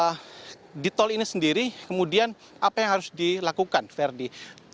nah di tol ini sendiri kemudian apa yang harus dilakukan verdi